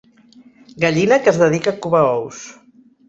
Gallina que es dedica a covar ous.